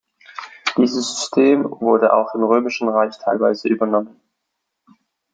Dieses System wurde auch im Römischen Reich teilweise übernommen.